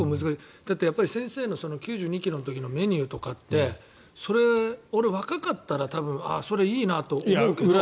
だって先生の９２ｋｇの時のメニューとかってそれは俺、若かったらそれいいなと思うけど。